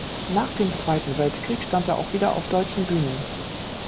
Nach dem Zweiten Weltkrieg stand er auch wieder auf deutschen Bühnen.